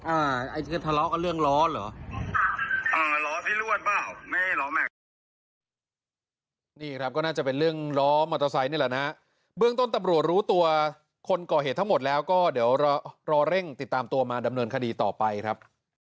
นี่ครับก็น่าจะเป็นเรื่องล้อมอเตอร์ไซค์นี่แหละนะฮะเบื้องต้นตำรวจรู้ตัวคนก่อเหตุทั้งหมดแล้วก็เดี๋ยวรอเร่งติดตามตัวมาดำเนินคดีต่อไปครับ